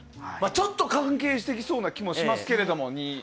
ちょっと関係してきそうな気もしますけど。